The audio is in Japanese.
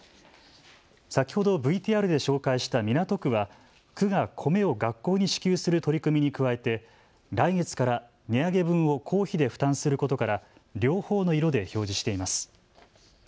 先ほどＶＴＲで紹介した港区は区が米を学校に支給する取り組みに加えて来月から値上げ分を公費で負担することから両方の色で表示しています。